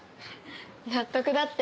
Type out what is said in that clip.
納得だって。